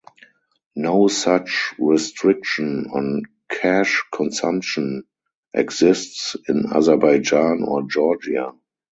No such restriction on khash consumption exists in Azerbaijan or Georgia.